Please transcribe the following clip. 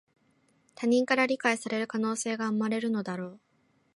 他人から理解される可能性が生まれるのだろう